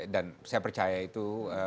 dan saya percaya itu